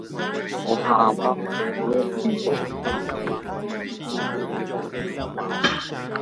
Ohã'ãmba rire inimbo pytãme, ome'ẽkuri chupe irundy ñana.